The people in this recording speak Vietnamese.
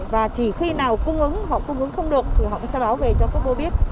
và chỉ khi nào cung ứng họ cung ứng không được thì họ cũng sẽ báo về cho các cô biết